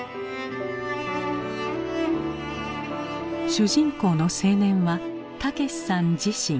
主人公の青年は武さん自身。